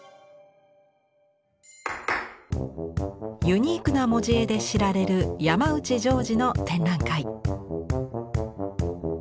ユニークな文字絵で知られる山内ジョージの展覧会。